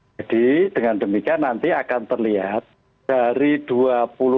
jadi dengan demikian nanti akan terlihat dari dua puluh lima itu